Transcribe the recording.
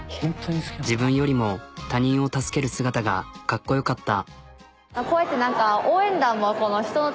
自分よりも他人を助ける姿がかっこよかった。